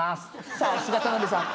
さすが田辺さん。